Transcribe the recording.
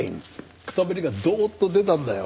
くたびれがどーっと出たんだよ。